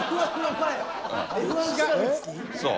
そう。